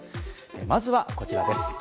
まずはこちらです。